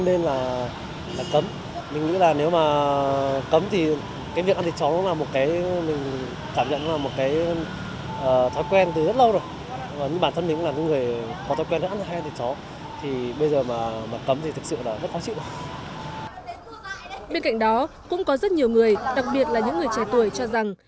bên cạnh đó cũng có rất nhiều người đặc biệt là những người trẻ tuổi cho rằng